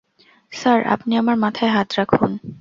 Sir, আপনি আমার মাথায় হাত রাখুন।